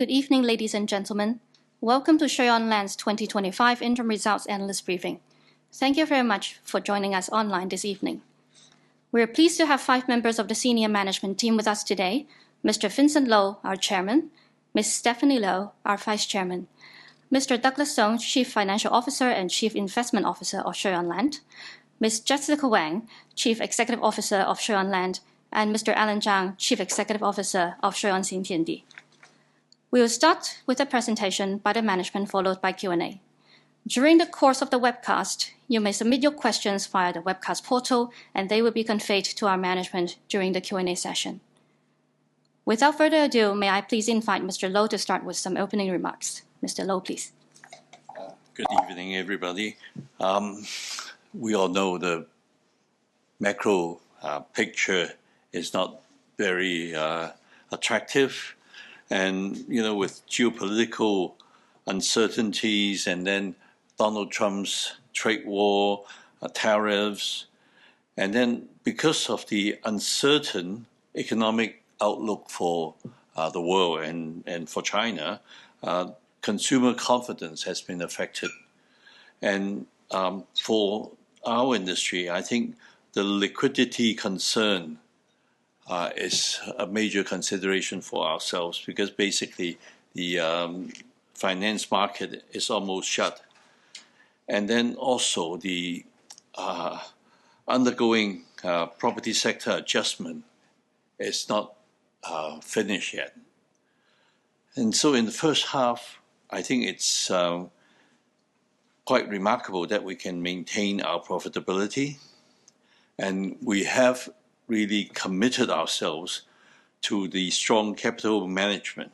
Good evening, ladies and gentlemen. Welcome to Shui On Land's 2025 Interim Results Analyst Briefing. Thank you very much for joining us online this evening. We're pleased to have five members of the senior management team with us today: Mr. Vincent Lo, our Chairman; Ms. Stephanie Lo, our Vice Chairman; Mr. Douglas Sung, Chief Financial Officer and Chief Investment Officer of Shui On Land; Ms. Jessica Wang, Chief Executive Officer of Shui On Land; and Mr. Allan Zhang, Chief Executive Officer of Shui On Xintiandi. We will start with a presentation by the management, followed by Q&A. During the course of the webcast, you may submit your questions via the webcast portal, and they will be conveyed to our management during the Q&A session. Without further ado, may I please invite Mr. Lo to start with some opening remarks? Mr. Lo, please. Good evening, everybody. We all know the macro picture is not very attractive. And, you know, with geopolitical uncertainties, and then Donald Trump's trade war, tariffs, and then because of the uncertain economic outlook for the world and for China, consumer confidence has been affected. And for our industry, I think the liquidity concern is a major consideration for ourselves because basically the finance market is almost shut. And then also the undergoing property sector adjustment is not finished yet. And so in the first half, I think it's quite remarkable that we can maintain our profitability, and we have really committed ourselves to the strong capital management.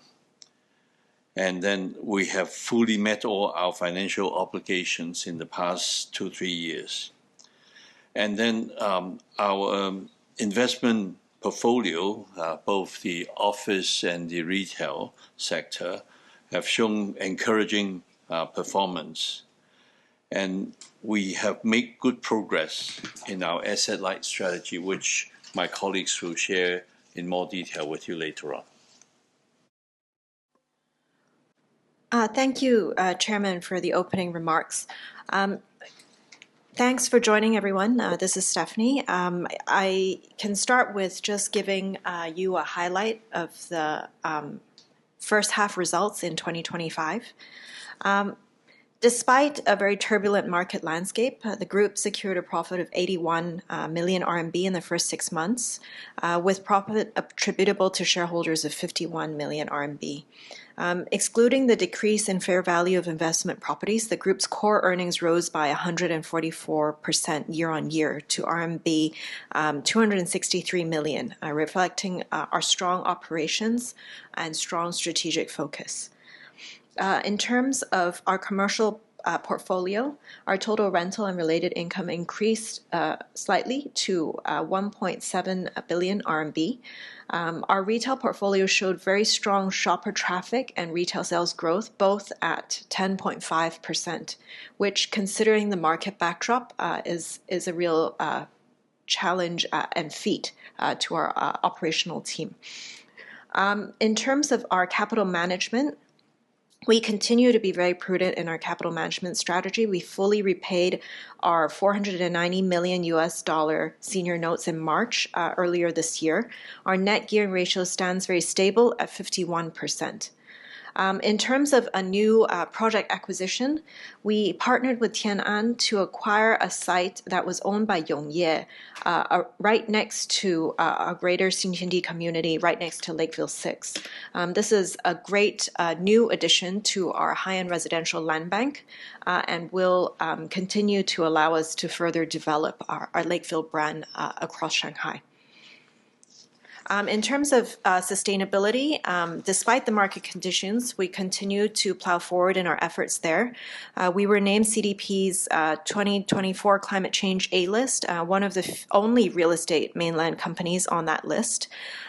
And then we have fully met all our financial obligations in the past two, three years. And then our investment portfolio, both the office and the retail sector, have shown encouraging performance. We have made good progress in our asset-light strategy, which my colleagues will share in more detail with you later on. Thank you, Chairman, for the opening remarks. Thanks for joining, everyone. This is Stephanie. I can start with just giving you a highlight of the first half results in 2025. Despite a very turbulent market landscape, the group secured a profit of 81 million RMB in the first six months, with profit attributable to shareholders of 51 million RMB. Excluding the decrease in fair value of investment properties, the group's core earnings rose by 144% year on year to RMB 263 million, reflecting our strong operations and strong strategic focus. In terms of our commercial portfolio, our total rental and related income increased slightly to 1.7 billion RMB. Our retail portfolio showed very strong shopper traffic and retail sales growth, both at 10.5%, which, considering the market backdrop, is a real challenge and feat to our operational team. In terms of our capital management, we continue to be very prudent in our capital management strategy. We fully repaid our $490 million senior notes in March earlier this year. Our net gearing ratio stands very stable at 51%. In terms of a new project acquisition, we partnered with Tian An to acquire a site that was owned by Yongye, right next to the Greater Xintiandi community, right next to Lakeville 6. This is a great new addition to our high-end residential land bank and will continue to allow us to further develop our Lakeville brand across Shanghai. In terms of sustainability, despite the market conditions, we continue to plow forward in our efforts there. We were named CDP's 2024 Climate Change A-list, one of the only real estate mainland companies on that list.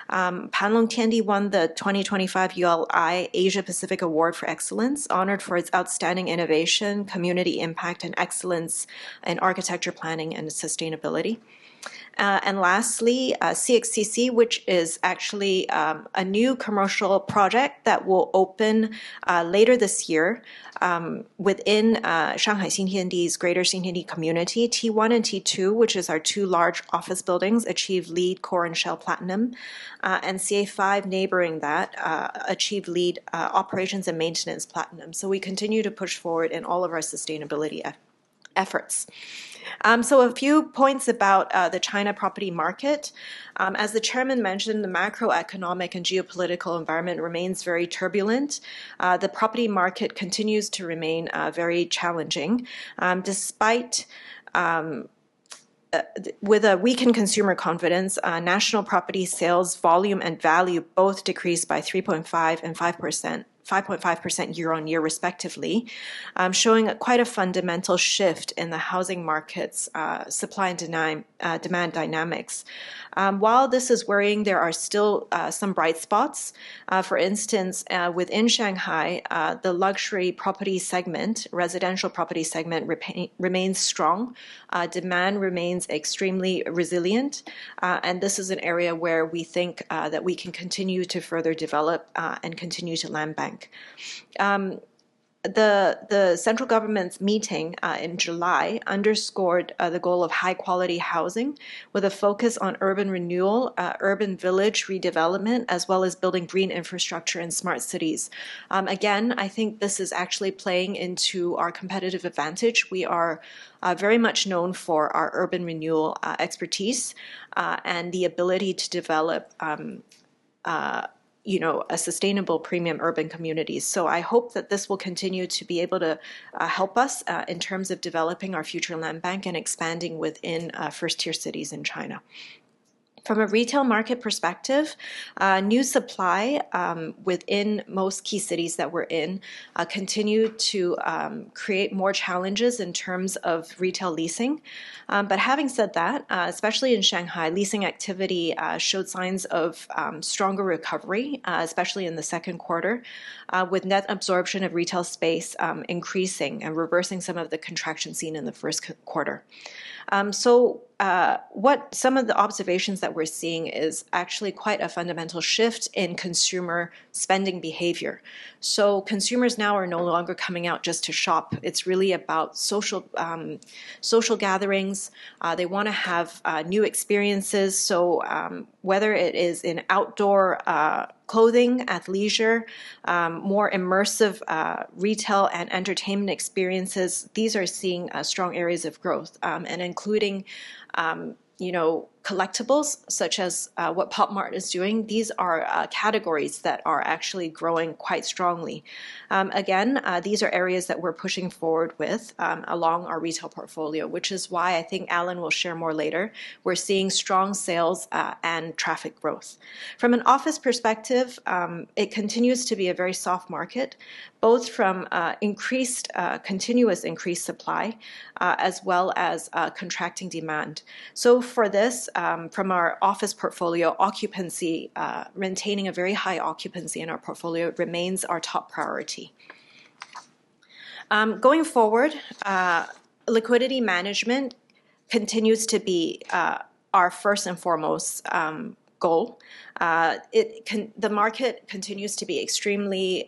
Panlong Tiandi won the 2025 ULI Asia Pacific Award for Excellence, honored for its outstanding innovation, community impact, and excellence in architecture planning and sustainability. Lastly, CXCC, which is actually a new commercial project that will open later this year within Shanghai Xintiandi's greater Xintiandi community. T1 and T2, which are our two large office buildings, achieved LEED core and shell platinum, and CA5 neighboring that achieved LEED operations and maintenance platinum. We continue to push forward in all of our sustainability efforts. A few points about the China property market. As the Chairman mentioned, the macroeconomic and geopolitical environment remains very turbulent. The property market continues to remain very challenging. Despite weakened consumer confidence, national property sales volume and value both decreased by 3.5% and 5.5% year on year, respectively, showing quite a fundamental shift in the housing market's supply and demand dynamics. While this is worrying, there are still some bright spots. For instance, within Shanghai, the luxury property segment, residential property segment, remains strong. Demand remains extremely resilient, and this is an area where we think that we can continue to further develop and continue to land bank. The central government's meeting in July underscored the goal of high-quality housing with a focus on urban renewal, urban village redevelopment, as well as building green infrastructure and smart cities. Again, I think this is actually playing into our competitive advantage. We are very much known for our urban renewal expertise and the ability to develop, you know, sustainable premium urban communities. So I hope that this will continue to be able to help us in terms of developing our future land bank and expanding within first-tier cities in China. From a retail market perspective, new supply within most key cities that we're in continued to create more challenges in terms of retail leasing. But having said that, especially in Shanghai, leasing activity showed signs of stronger recovery, especially in the second quarter, with net absorption of retail space increasing and reversing some of the contraction seen in the first quarter. So some of the observations that we're seeing is actually quite a fundamental shift in consumer spending behavior. So consumers now are no longer coming out just to shop. It's really about social gatherings. They want to have new experiences. So whether it is in outdoor clothing, at leisure, more immersive retail and entertainment experiences, these are seeing strong areas of growth. And including, you know, collectibles such as what Pop Mart is doing, these are categories that are actually growing quite strongly. Again, these are areas that we're pushing forward with along our retail portfolio, which is why I think Allan will share more later. We're seeing strong sales and traffic growth. From an office perspective, it continues to be a very soft market, both from continuously increasing supply as well as contracting demand. So for our office portfolio, maintaining a very high occupancy in our portfolio remains our top priority. Going forward, liquidity management continues to be our first and foremost goal. The market continues to be extremely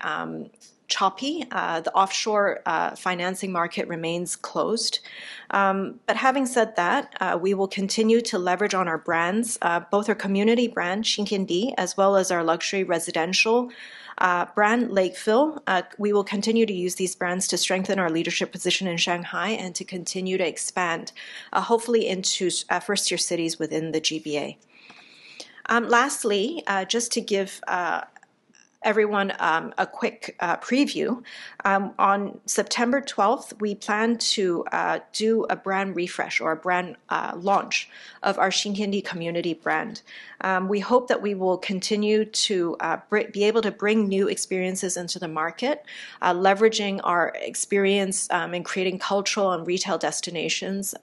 choppy. The offshore financing market remains closed. But having said that, we will continue to leverage on our brands, both our community brand, Xintiandi, as well as our luxury residential brand, Lakeville. We will continue to use these brands to strengthen our leadership position in Shanghai and to continue to expand, hopefully into first-tier cities within the GBA. Lastly, just to give everyone a quick preview, on September 12th, we plan to do a brand refresh or a brand launch of our Xintiandi community brand. We hope that we will continue to be able to bring new experiences into the market, leveraging our experience in creating cultural and retail destinations.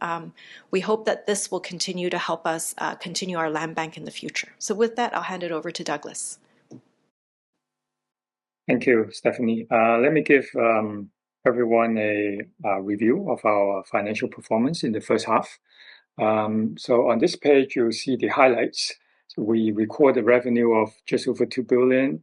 We hope that this will continue to help us continue our land bank in the future. So with that, I'll hand it over to Douglas. Thank you, Stephanie. Let me give everyone a review of our financial performance in the first half. So on this page, you'll see the highlights. We recorded revenue of just over 2 billion,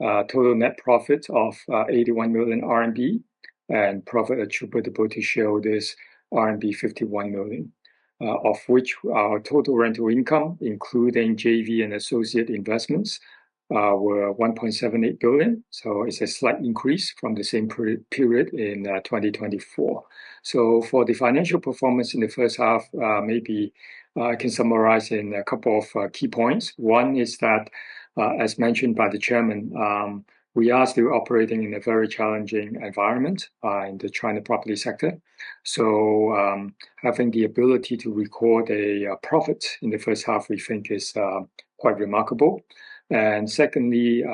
total net profit of 81 million RMB, and profit attributable to shareholders RMB 51 million, of which our total rental income, including JV and associate investments, were 1.78 billion. So it's a slight increase from the same period in 2024. So for the financial performance in the first half, maybe I can summarize in a couple of key points. One is that, as mentioned by the Chairman, we are still operating in a very challenging environment in the China property sector. So having the ability to record a profit in the first half, we think, is quite remarkable. And secondly,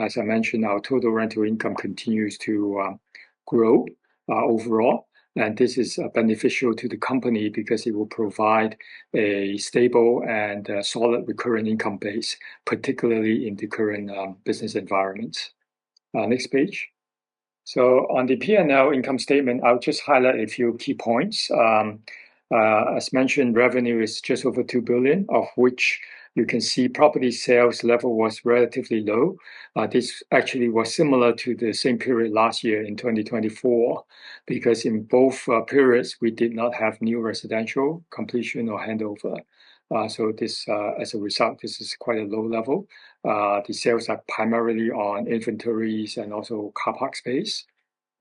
as I mentioned, our total rental income continues to grow overall. This is beneficial to the company because it will provide a stable and solid recurring income base, particularly in the current business environments. Next page. On the P&L income statement, I'll just highlight a few key points. As mentioned, revenue is just over 2 billion, of which you can see property sales level was relatively low. This actually was similar to the same period last year in 2024 because in both periods, we did not have new residential completion or handover. As a result, this is quite a low level. The sales are primarily on inventories and also car park space.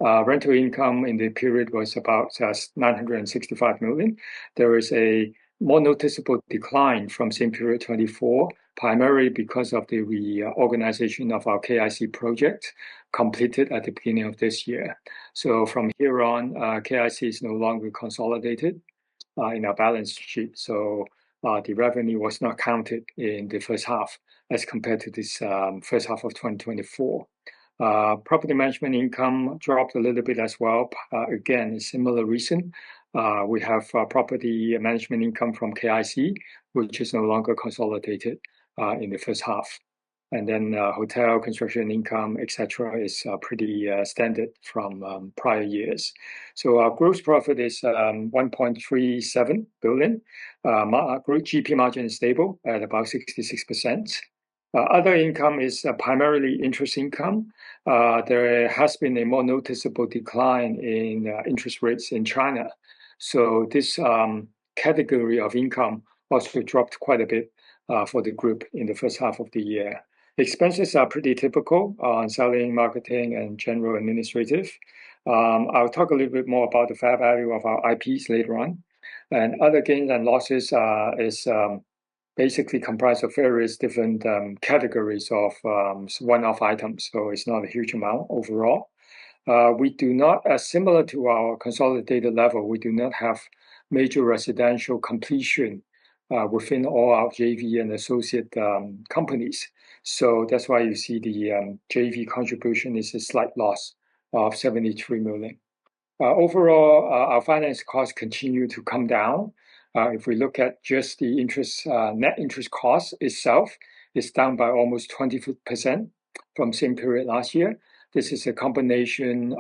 Rental income in the period was about 965 million. There is a more noticeable decline from same period 2024, primarily because of the reorganization of our KIC project completed at the beginning of this year. From here on, KIC is no longer consolidated in our balance sheet. The revenue was not counted in the first half as compared to this first half of 2024. Property management income dropped a little bit as well. Again, a similar reason. We have property management income from KIC, which is no longer consolidated in the first half. Hotel construction income, et cetera, is pretty standard from prior years. Our gross profit is 1.37 billion. GP margin is stable at about 66%. Other income is primarily interest income. There has been a more noticeable decline in interest rates in China. This category of income also dropped quite a bit for the group in the first half of the year. Expenses are pretty typical on selling, marketing, and general administrative. I'll talk a little bit more about the fair value of our IPs later on. Other gains and losses are basically comprised of various different categories of one-off items. It's not a huge amount overall. Similar to our consolidated level, we do not have major residential completion within all our JV and associate companies. That's why you see the JV contribution is a slight loss of 73 million. Overall, our finance costs continue to come down. If we look at just the net interest cost itself, it's down by almost 20% from same period last year. This is a combination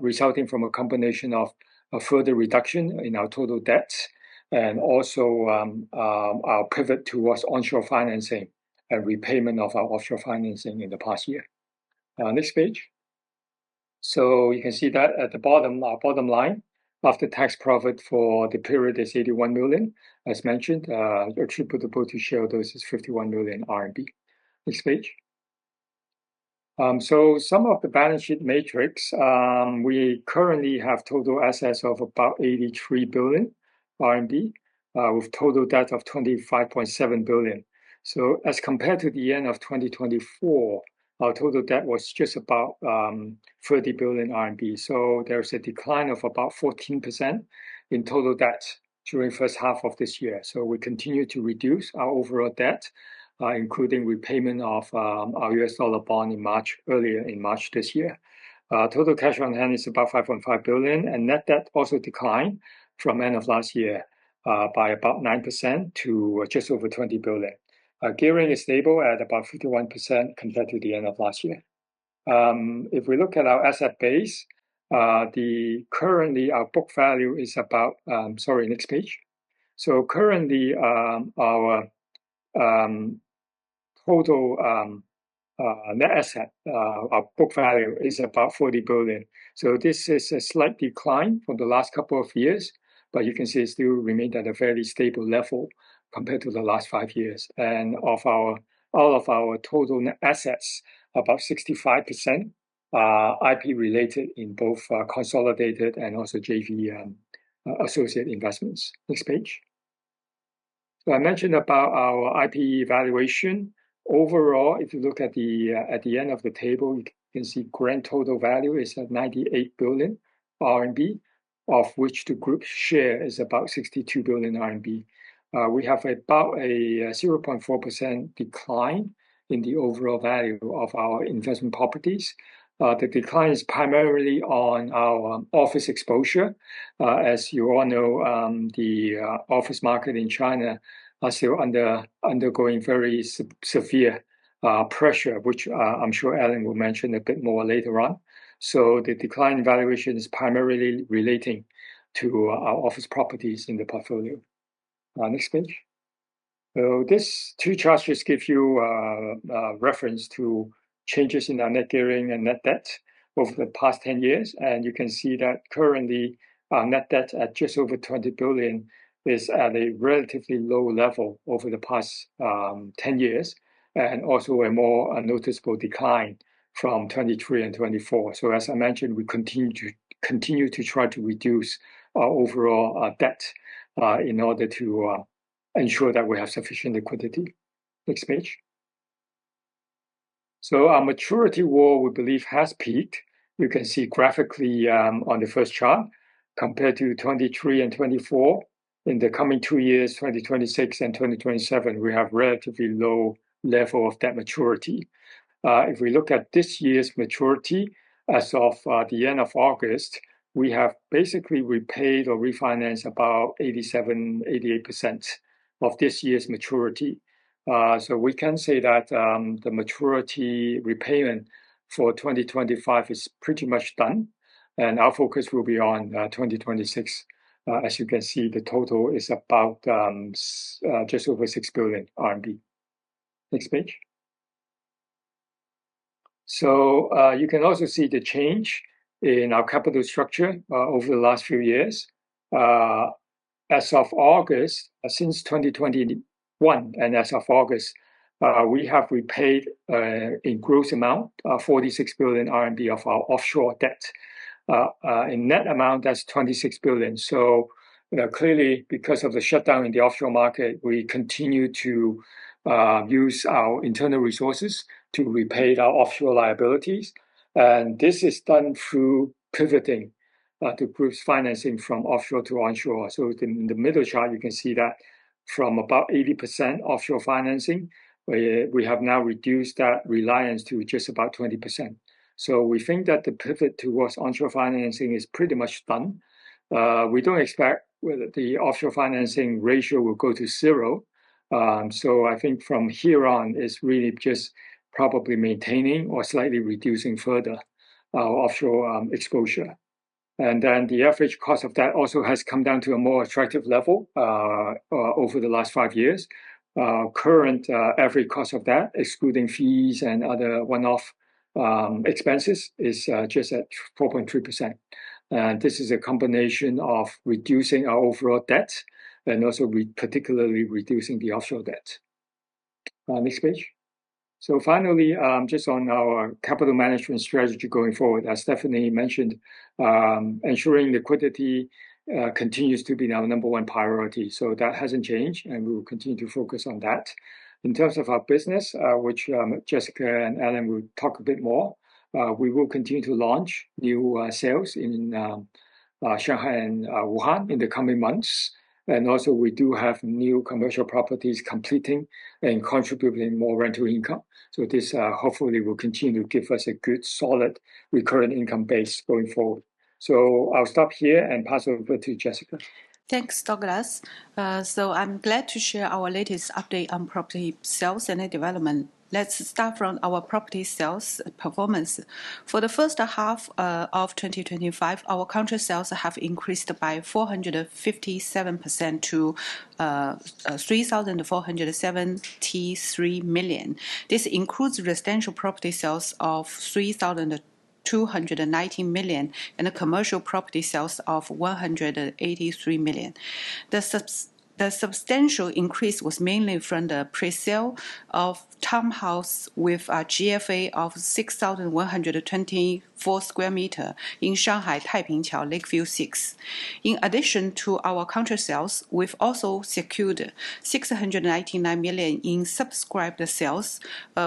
resulting from a combination of a further reduction in our total debts and also our pivot towards onshore financing and repayment of our offshore financing in the past year. Next page. You can see that at the bottom, our bottom line after-tax profit for the period is 81 million. As mentioned, attributable to shareholders is 51 million RMB. Next page. Some of the balance sheet matrix, we currently have total assets of about 83 billion RMB with total debt of 25.7 billion. As compared to the end of 2024, our total debt was just about 30 billion RMB. There's a decline of about 14% in total debt during the first half of this year. We continue to reduce our overall debt, including repayment of our USD bond earlier in March this year. Total cash on hand is about 5.5 billion. Net debt also declined from end of last year by about 9% to just over 20 billion. Gearing is stable at about 51% compared to the end of last year. If we look at our asset base, currently our book value is about, sorry, next page. Currently our total net asset, our book value is about 40 billion. So this is a slight decline from the last couple of years, but you can see it still remained at a fairly stable level compared to the last five years. And of all of our total net assets, about 65% IP related in both consolidated and also JV associate investments. Next page. So I mentioned about our IP valuation. Overall, if you look at the end of the table, you can see grand total value is at 98 billion RMB, of which the group share is about 62 billion RMB. We have about a 0.4% decline in the overall value of our investment properties. The decline is primarily on our office exposure. As you all know, the office market in China is still undergoing very severe pressure, which I'm sure Allan will mention a bit more later on. So the decline in valuation is primarily relating to our office properties in the portfolio. Next page. So these two charts just give you reference to changes in our net gearing and net debt over the past 10 years. And you can see that currently our net debt at just over 20 billion is at a relatively low level over the past 10 years and also a more noticeable decline from 2023 and 2024. So as I mentioned, we continue to try to reduce our overall debt in order to ensure that we have sufficient liquidity. Next page. So our maturity wall, we believe, has peaked. You can see graphically on the first chart compared to 2023 and 2024. In the coming two years, 2026 and 2027, we have relatively low level of debt maturity. If we look at this year's maturity as of the end of August, we have basically repaid or refinanced about 87%, 88% of this year's maturity, so we can say that the maturity repayment for 2025 is pretty much done, and our focus will be on 2026. As you can see, the total is about just over 6 billion RMB. Next page, so you can also see the change in our capital structure over the last few years. As of August, since 2021 and as of August, we have repaid in gross amount 46 billion RMB of our offshore debt. In net amount, that's 26 billion, so clearly, because of the shutdown in the offshore market, we continue to use our internal resources to repay our offshore liabilities, and this is done through pivoting to groups financing from offshore to onshore. So in the middle chart, you can see that from about 80% offshore financing, we have now reduced that reliance to just about 20%. So we think that the pivot towards onshore financing is pretty much done. We don't expect the offshore financing ratio will go to zero. So I think from here on, it's really just probably maintaining or slightly reducing further offshore exposure. And then the average cost of that also has come down to a more attractive level over the last five years. Current average cost of that, excluding fees and other one-off expenses, is just at 4.3%. And this is a combination of reducing our overall debt and also particularly reducing the offshore debt. Next page. So finally, just on our capital management strategy going forward, as Stephanie mentioned, ensuring liquidity continues to be our number one priority. So that hasn't changed, and we will continue to focus on that. In terms of our business, which Jessica and Allan will talk a bit more, we will continue to launch new sales in Shanghai and Wuhan in the coming months. And also, we do have new commercial properties completing and contributing more rental income. So this hopefully will continue to give us a good solid recurrent income base going forward. So I'll stop here and pass over to Jessica. Thanks, Douglas. So I'm glad to share our latest update on property sales and development. Let's start from our property sales performance. For the first half of 2025, our contract sales have increased by 457% to 3,473 million. This includes residential property sales of 3,219 million and commercial property sales of 183 million. The substantial increase was mainly from the presale of townhouse with a GFA of 6,124 square meter in Shanghai, Taipingqiao, Lakeville 6. In addition to our contract sales, we've also secured 699 million in subscribed sales,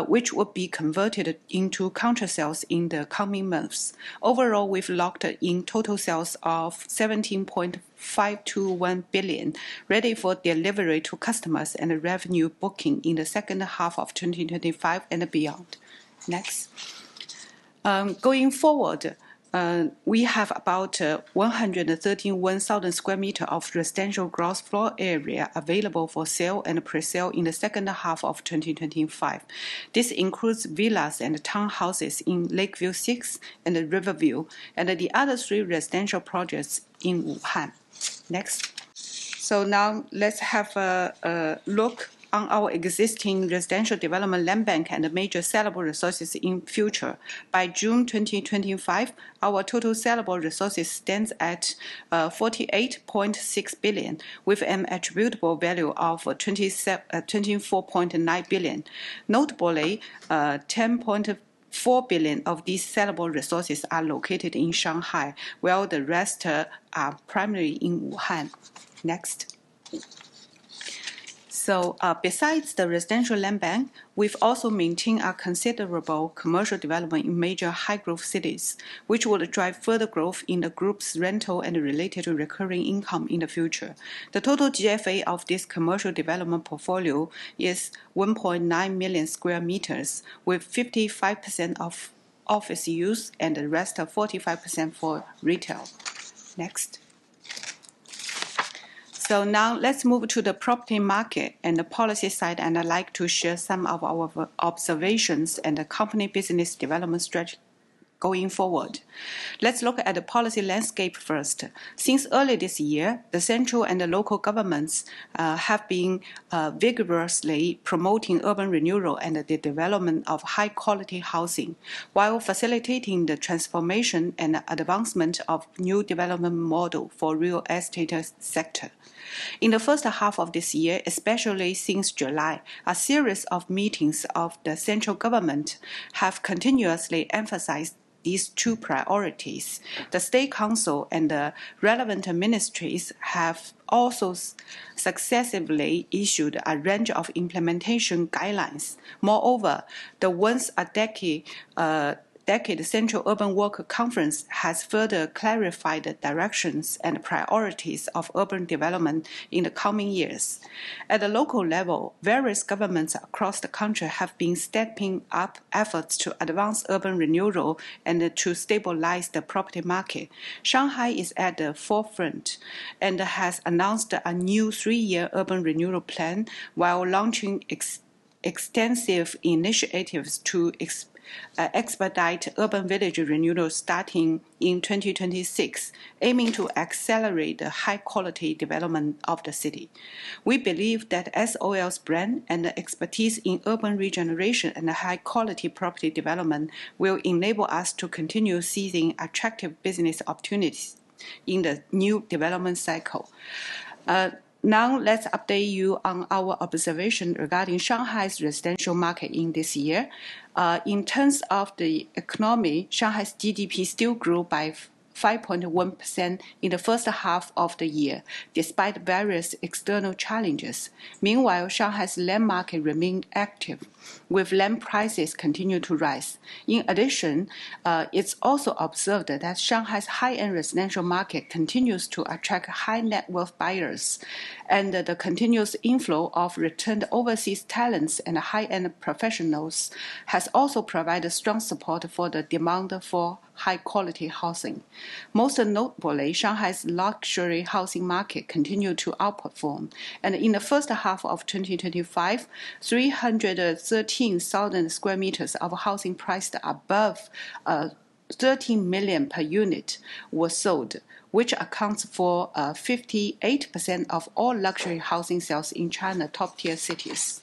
which will be converted into contract sales in the coming months. Overall, we've locked in total sales of 17.521 billion, ready for delivery to customers and revenue booking in the second half of 2025 and beyond. Next. Going forward, we have about 131,000 sq m of residential gross floor area available for sale and presale in the second half of 2025. This includes villas and townhouses in Lakeville 6 and Riverview and the other three residential projects in Wuhan. Next. So now let's have a look on our existing residential development land bank and major sellable resources in future. By June 2025, our total sellable resources stands at 48.6 billion with an attributable value of 24.9 billion. Notably, 10.4 billion of these sellable resources are located in Shanghai, while the rest are primarily in Wuhan. Next. So besides the residential land bank, we've also maintained a considerable commercial development in major high-growth cities, which will drive further growth in the group's rental and related recurring income in the future. The total GFA of this commercial development portfolio is 1.9 million sq m, with 55% of office use and the rest of 45% for retail. Next. So now let's move to the property market and the policy side, and I'd like to share some of our observations and the company business development strategy going forward. Let's look at the policy landscape first. Since early this year, the central and the local governments have been vigorously promoting urban renewal and the development of high-quality housing while facilitating the transformation and advancement of new development models for the real estate sector. In the first half of this year, especially since July, a series of meetings of the central government have continuously emphasized these two priorities. The State Council and the relevant ministries have also successively issued a range of implementation guidelines. Moreover, the once a decade Central Urban Work Conference has further clarified the directions and priorities of urban development in the coming years. At the local level, various governments across the country have been stepping up efforts to advance urban renewal and to stabilize the property market. Shanghai is at the forefront and has announced a new three-year urban renewal plan while launching extensive initiatives to expedite urban village renewal starting in 2026, aiming to accelerate the high-quality development of the city. We believe that SOL's brand and expertise in urban regeneration and high-quality property development will enable us to continue seizing attractive business opportunities in the new development cycle. Now let's update you on our observation regarding Shanghai's residential market in this year. In terms of the economy, Shanghai's GDP still grew by 5.1% in the first half of the year, despite various external challenges. Meanwhile, Shanghai's land market remained active, with land prices continuing to rise. In addition, it's also observed that Shanghai's high-end residential market continues to attract high-net-worth buyers, and the continuous inflow of returned overseas talents and high-end professionals has also provided strong support for the demand for high-quality housing. Most notably, Shanghai's luxury housing market continued to outperform. In the first half of 2025, 313,000 sq m of housing priced above 13 million per unit were sold, which accounts for 58% of all luxury housing sales in China's top-tier cities.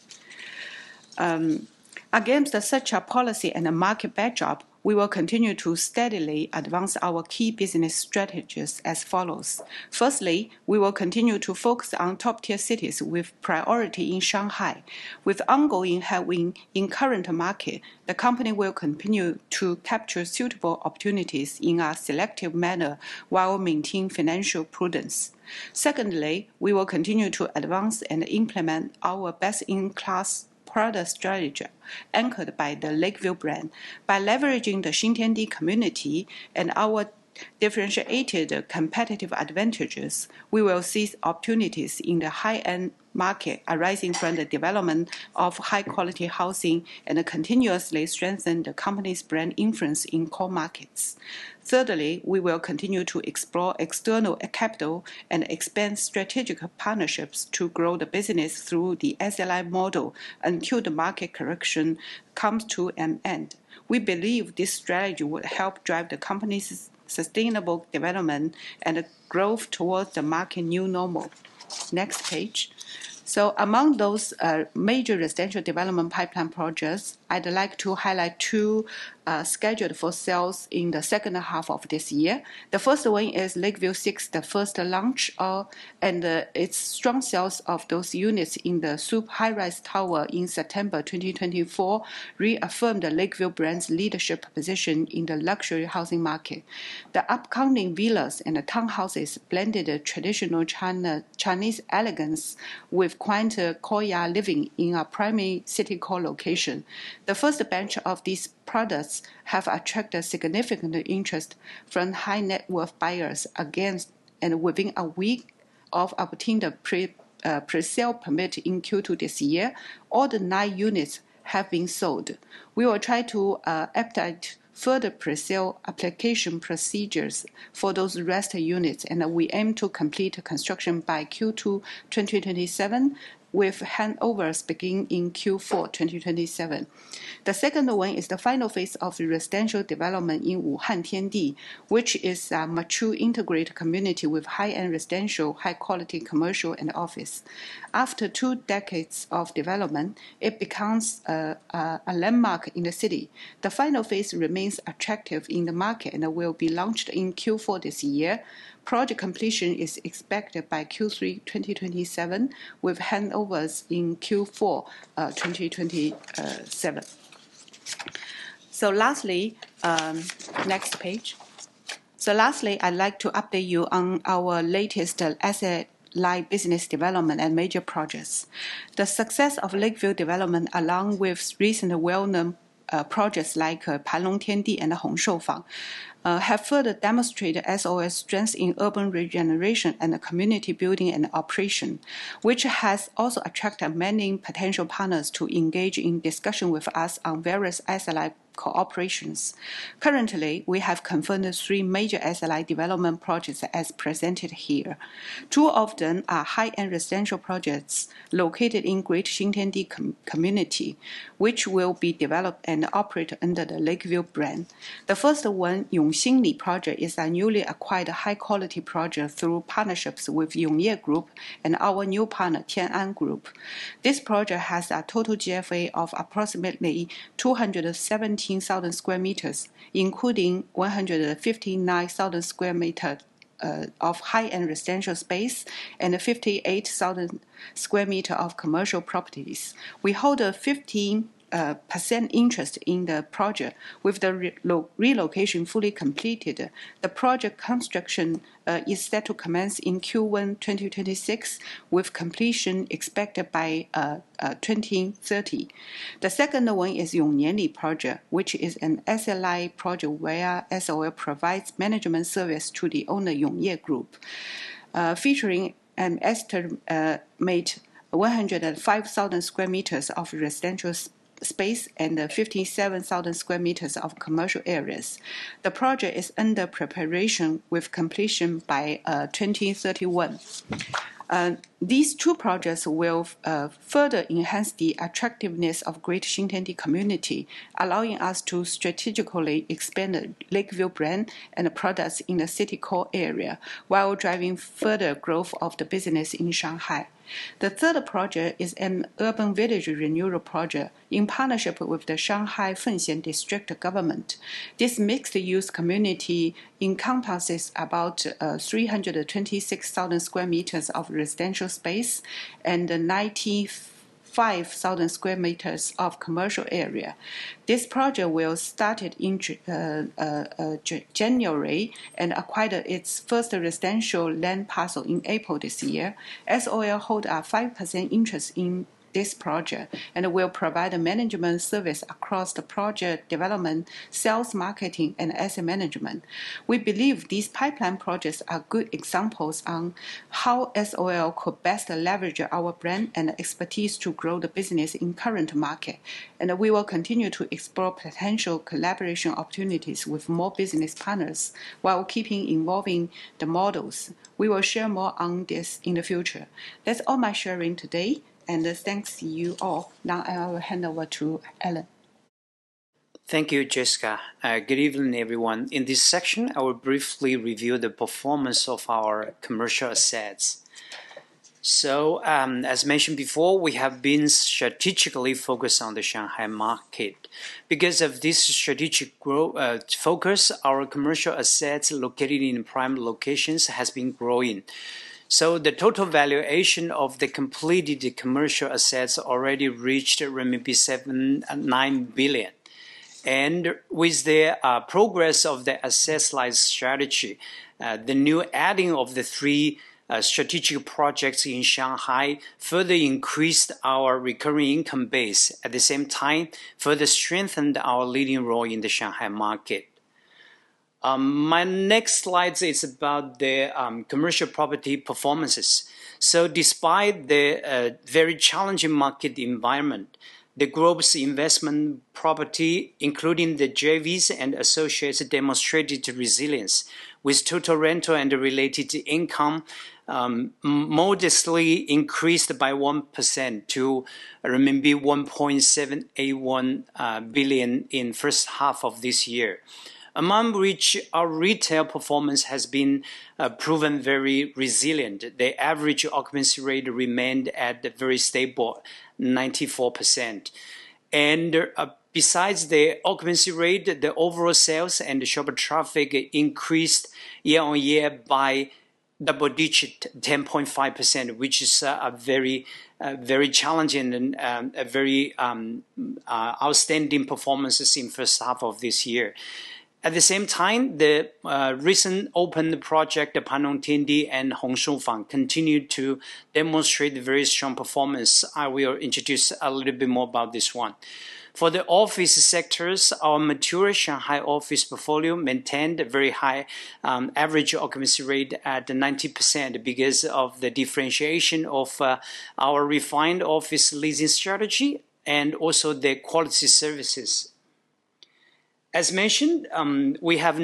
Against such a policy and a market backdrop, we will continue to steadily advance our key business strategies as follows. Firstly, we will continue to focus on top-tier cities with priority in Shanghai. With ongoing headwinds in the current market, the company will continue to capture suitable opportunities in a selective manner while maintaining financial prudence. Secondly, we will continue to advance and implement our best-in-class product strategy anchored by the Lakeville brand. By leveraging the Xintiandi community and our differentiated competitive advantages, we will seize opportunities in the high-end market arising from the development of high-quality housing and continuously strengthen the company's brand influence in core markets. Thirdly, we will continue to explore external capital and expand strategic partnerships to grow the business through the SLI model until the market correction comes to an end. We believe this strategy will help drive the company's sustainable development and growth towards the market new normal. Next page. So among those major residential development pipeline projects, I'd like to highlight two scheduled for sales in the second half of this year. The first one is Lakeville 6, the first launch, and its strong sales of those units in the SUP High Rise Tower in September 2024 reaffirmed the Lakeville brand's leadership position in the luxury housing market. The upcoming villas and townhouses blended traditional Chinese elegance with quieter courtyard living in a primary city core location. The first batch of these products has attracted significant interest from high-net-worth buyers. And within a week of obtaining the presale permit in Q2 this year, all the nine units have been sold. We will try to apply further presale application procedures for those rest units, and we aim to complete construction by Q2 2027, with handovers beginning in Q4 2027. The second one is the final phase of residential development in Wuhan Tiandi, which is a mature integrated community with high-end residential, high-quality commercial and office. After two decades of development, it becomes a landmark in the city. The final phase remains attractive in the market and will be launched in Q4 this year. Project completion is expected by Q3 2027, with handovers in Q4 2027. So lastly, I'd like to update you on our latest SLI business development and major projects. The success of Lakeville development, along with recent well-known projects like Panlong Tiandi and Hong Shou Fang, have further demonstrated SOL's strength in urban regeneration and community building and operation, which has also attracted many potential partners to engage in discussion with us on various SLI cooperations. Currently, we have confirmed three major SLI development projects as presented here. Two of them are high-end residential projects located in Greater Xintiandi community, which will be developed and operated under the Lakeville brand. The first one, Yongxingli project, is a newly acquired high-quality project through partnerships with Yongye Group and our new partner, Tian An Group. This project has a total GFA of approximately 217,000 sq m, including 159,000 sq m of high-end residential space and 58,000 sq m of commercial properties. We hold a 15% interest in the project. With the relocation fully completed, the project construction is set to commence in Q1 2026, with completion expected by 2030. The second one is Yongye Land project, which is an SLI project where SOL provides management service to the owner Yongye Group, featuring an estimated 105,000 sq m of residential space and 57,000 sq m of commercial areas. The project is under preparation with completion by 2031. These two projects will further enhance the attractiveness of Greater Xintiandi community, allowing us to strategically expand the Lakeville brand and products in the city core area while driving further growth of the business in Shanghai. The third project is an urban village renewal project in partnership with the Shanghai Fengxian District Government. This mixed-use community encompasses about 326,000 sq m of residential space and 95,000 sq m of commercial area. This project will start in January and acquire its first residential land parcel in April this year. SOL holds a 5% interest in this project and will provide management service across the project development, sales marketing, and asset management. We believe these pipeline projects are good examples on how SOL could best leverage our brand and expertise to grow the business in the current market. We will continue to explore potential collaboration opportunities with more business partners while keeping evolving the models. We will share more on this in the future. That's all my sharing today, and thanks to you all. Now I will hand over to Allan. Thank you, Jessica. Good evening, everyone. In this section, I will briefly review the performance of our commercial assets. So, as mentioned before, we have been strategically focused on the Shanghai market. Because of this strategic focus, our commercial assets located in prime locations have been growing. So the total valuation of the completed commercial assets already reached RMB 79 billion. And with the progress of the asset-light strategy, the new adding of the three strategic projects in Shanghai further increased our recurring income base. At the same time, it further strengthened our leading role in the Shanghai market. My next slide is about the commercial property performances. So despite the very challenging market environment, the group's investment property, including the JVs and associates, demonstrated resilience, with total rental and related income modestly increased by 1% to 1.781 billion in the first half of this year, among which our retail performance has been proven very resilient. The average occupancy rate remained at a very stable 94%, and besides the occupancy rate, the overall sales and the shopper traffic increased year on year by double-digit 10.5%, which is a very challenging and very outstanding performance in the first half of this year. At the same time, the recent open project, Panlong Tiandi and Hong Shou Fang, continued to demonstrate very strong performance. I will introduce a little bit more about this one. For the office sectors, our mature Shanghai office portfolio maintained a very high average occupancy rate at 90% because of the differentiation of our refined office leasing strategy and also the quality services. As mentioned, we have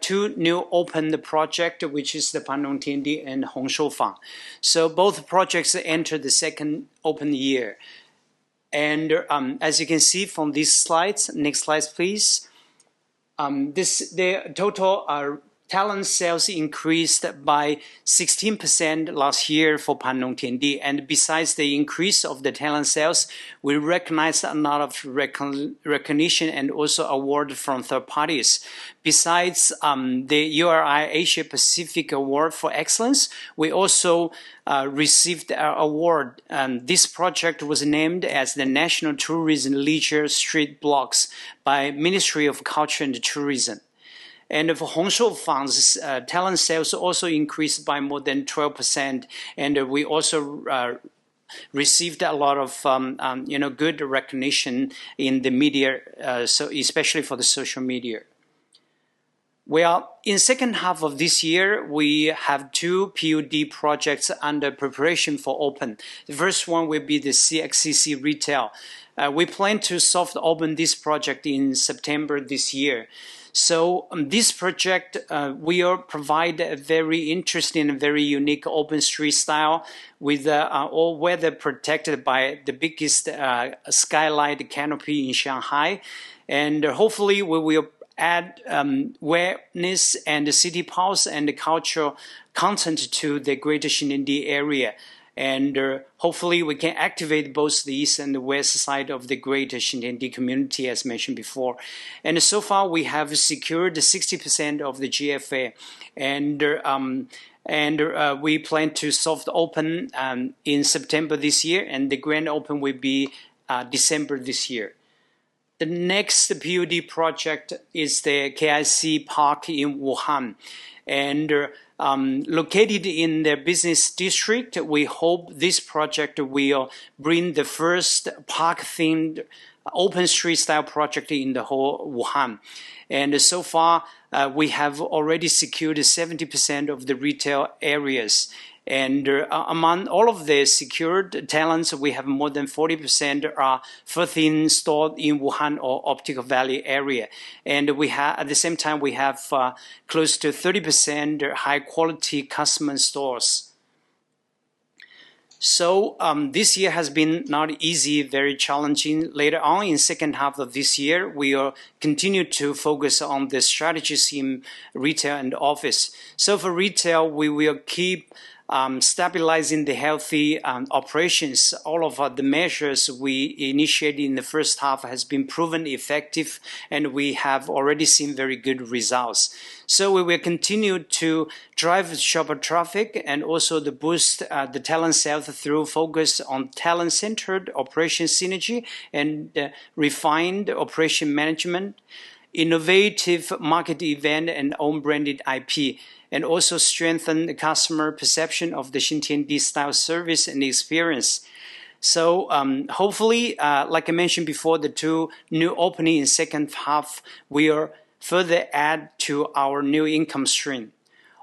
two newly opened projects, which are the Panlong Tiandi and Hong Shou Fang. Both projects entered the second opening year. As you can see from these slides, next slide, please. The total retail sales increased by 16% last year for Panlong Tiandi. Besides the increase of the retail sales, we received a lot of recognition and also awards from third parties. Besides the ULI Asia-Pacific Award for Excellence, we also received an award. This project was named as the National Tourism Leisure Street Blocks by the Ministry of Culture and Tourism. For Hong Shou Fang, retail sales also increased by more than 12%. We also received a lot of good recognition in the media, especially for the social media. In the second half of this year, we have two PUD projects under preparation for open. The first one will be the CXCC retail. We plan to soft open this project in September this year. This project provides a very interesting and very unique open street style with all weather protected by the biggest skylight canopy in Shanghai. Hopefully, we will add awareness and city pulse and the cultural content to the greater Xintiandi area. Hopefully, we can activate both the east and the west side of the greater Xintiandi community, as mentioned before. So far, we have secured 60% of the GFA. We plan to soft open in September this year, and the grand open will be December this year. The next PUD project is the KIC Park in Wuhan, located in the business district. We hope this project will bring the first park-themed open street style project in Wuhan. So far, we have already secured 70% of the retail areas. Among all of the secured tenants, we have more than 40% are F&B-themed stores in Wuhan or Optical Valley area. At the same time, we have close to 30% high-quality F&B stores. This year has been not easy, very challenging. Later on, in the second half of this year, we will continue to focus on the strategies in retail and office. For retail, we will keep stabilizing the healthy operations. All of the measures we initiated in the first half have been proven effective, and we have already seen very good results. We will continue to drive shopper traffic and also to boost the retail sales through focus on retail-centered operation synergy and refined operation management, innovative marketing events, and own-branded IP, and also strengthen the customer perception of the Xintiandi style service and experience. Hopefully, like I mentioned before, the two new openings in the second half will further add to our new income stream.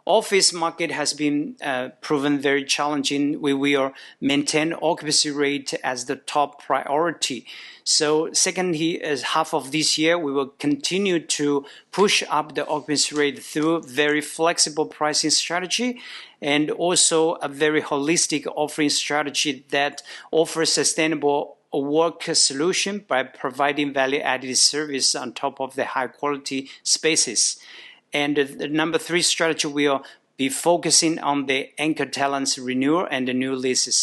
The office market has been proven very challenging. We will maintain occupancy rate as the top priority. Second half of this year, we will continue to push up the occupancy rate through a very flexible pricing strategy and also a very holistic offering strategy that offers sustainable work solutions by providing value-added service on top of the high-quality spaces. The number three strategy, we will be focusing on the anchor tenant renewal and the new leases.